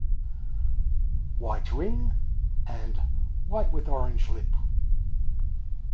'White Ring' and 'White with Orange Lip'.